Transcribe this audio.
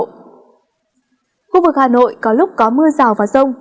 khu vực hà nội có lúc có mưa rào và rông